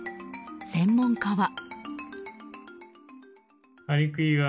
専門家は。